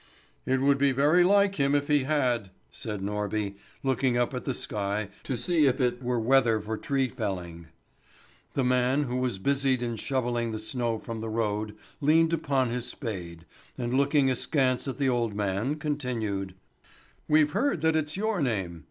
"It would be very like him if he had!" said Norby, looking up at the sky to see if it were weather for tree felling. The man, who was busied in shovelling the snow from the road, leaned upon his spade, and looking askance at the old man, continued: "We've heard that it's your name.